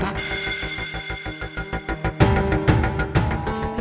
ya bener put